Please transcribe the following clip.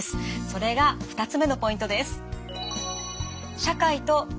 それが２つ目のポイントです。